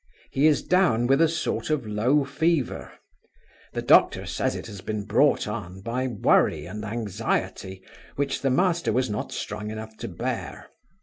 He is down with a sort of low fever. The doctor says it has been brought on with worry and anxiety which master was not strong enough to bear.